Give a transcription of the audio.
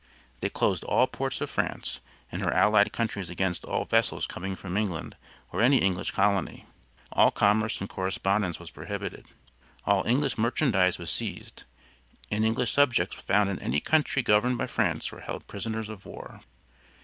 They closed all ports of France, and her allied countries against all vessels coming from England or any English colony. All commerce and correspondence was prohibited. All English merchandise was seized, and English subjects found in any country governed by France were held prisoners of war.